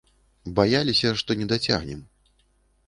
Баяліся, што не дацягнем.